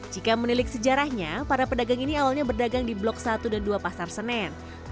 jika menilik sejarahnya para pedagang ini awalnya berdagang di blok satu dan dua pasar senen